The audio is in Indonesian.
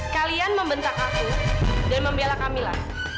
kalian membentak aku dan membela kamilah